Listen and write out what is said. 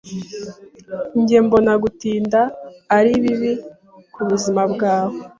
Njye mbona, gutinda ari bibi kubuzima bwawe.